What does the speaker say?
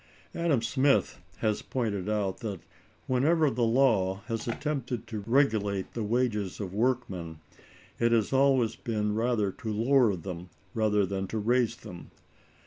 [Adam Smith has pointed out that] "whenever the law has attempted to regulate the wages of workmen, it has always been rather to lower them than to raise them.